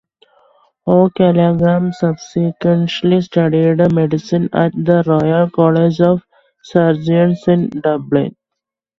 O'Callaghan subsequently studied medicine at the Royal College of Surgeons in Dublin.